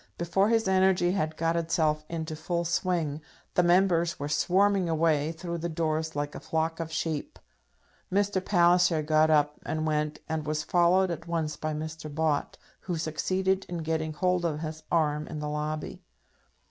before his energy had got itself into full swing, the Members were swarming away through the doors like a flock of sheep. Mr. Palliser got up and went, and was followed at once by Mr. Bott, who succeeded in getting hold of his arm in the lobby.